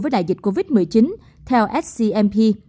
với đại dịch covid một mươi chín theo scmp